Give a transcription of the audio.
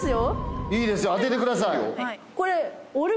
いいですよえっ？